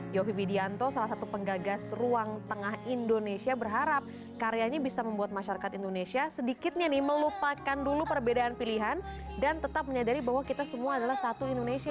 yofi widianto salah satu penggagas ruang tengah indonesia berharap karyanya bisa membuat masyarakat indonesia sedikitnya nih melupakan dulu perbedaan pilihan dan tetap menyadari bahwa kita semua adalah satu indonesia